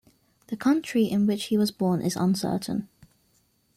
The country in which he was born is uncertain.